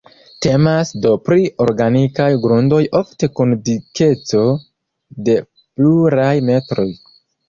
Temas, do pri organikaj grundoj ofte kun dikeco de pluraj metroj.